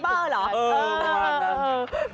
เออประมาณนั้น